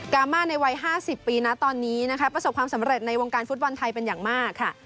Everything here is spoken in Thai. มาในวัย๕๐ปีนะตอนนี้นะคะประสบความสำเร็จในวงการฟุตบอลไทยเป็นอย่างมากค่ะ